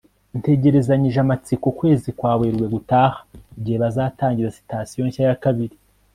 Ntegerezanyije amatsiko ukwezi kwa Werurwe gutaha igihe bazatangiza Sitasiyo nshya ya kabiri